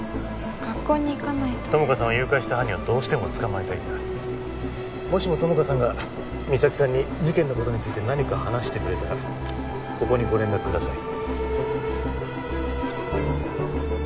学校に行かないと友果さんを誘拐した犯人をどうしても捕まえたいんだもしも友果さんが実咲さんに事件のことについて何か話してくれたらここにご連絡ください